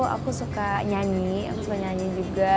aku suka nyanyi aku suka nyanyi juga